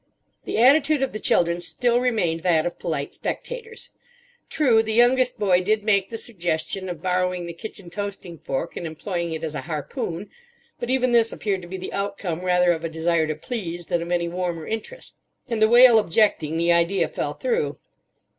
The attitude of the children still remained that of polite spectators. True, the youngest boy did make the suggestion of borrowing the kitchen toasting fork, and employing it as a harpoon; but even this appeared to be the outcome rather of a desire to please than of any warmer interest; and, the whale objecting, the idea fell through.